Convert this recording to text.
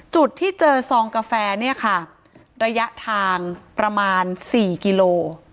จุดที่เจอซองกาแฟระยะทางประมาณ๔กิโล